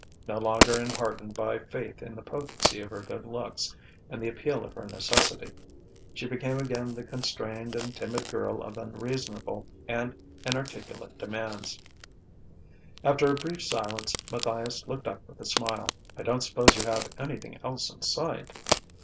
No longer enheartened by faith in the potency of her good looks and the appeal of her necessity, she became again the constrained and timid girl of unreasonable and inarticulate demands. After a brief silence, Matthias looked up with a smile. "I don't suppose you have anything else in sight?"